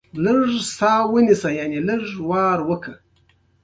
سخت باران ورېده، د سهار درې بجې به وې.